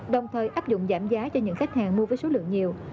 đồng thời áp dụng giảm giá cho những khách hàng mua với số lượng nhiều